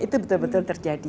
itu betul betul terjadi